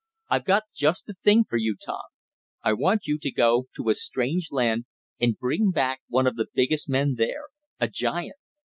I've got just the thing for you. Tom, I want you to go to a strange land, and bring back one of the biggest men there a giant!